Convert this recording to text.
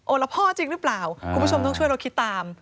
แล้วพ่อจริงหรือเปล่าคุณผู้ชมต้องช่วยเราคิดตาม